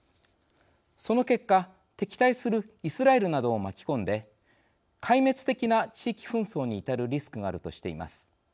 その結果、敵対するイスラエルなどを巻き込んで壊滅的な地域紛争に至るリスクがあるとしています。